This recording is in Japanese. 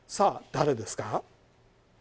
誰ですか？